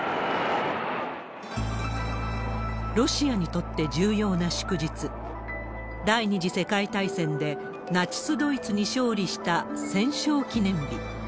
ロシアにとって重要な祝日、第２次世界大戦でナチスドイツに勝利した戦勝記念日。